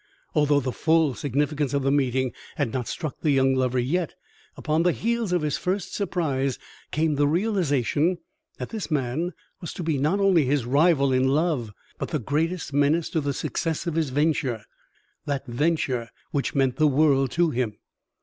Although the full significance of the meeting had not struck the young lover yet, upon the heels of his first surprise came the realization that this man was to be not only his rival in love, but the greatest menace to the success of his venture that venture which meant the world to him.